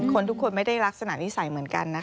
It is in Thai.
ทุกคนไม่ได้ลักษณะนิสัยเหมือนกันนะคะ